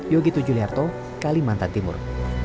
yogitu juliarto kalimantan timur